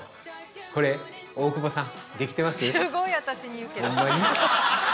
これ、大久保さん、できてます？